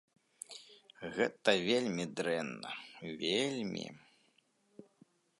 Гэта вельмі дрэнна, вельмі.